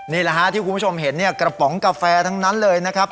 นี่แหละฮะที่คุณผู้ชมเห็นเนี่ยกระป๋องกาแฟทั้งนั้นเลยนะครับ